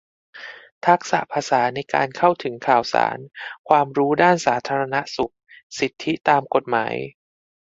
ทักษะภาษาในการเข้าถึงข่าวสาร ความรู้ด้านสาธารณสุข สิทธิตามกฎหมาย